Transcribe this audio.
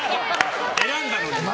選んだのに。